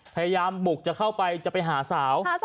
พยายามบุกจะเข้าไปจะไปหาสาว